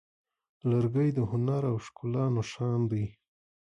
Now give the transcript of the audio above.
لرګی د هنر او ښکلا نښان دی.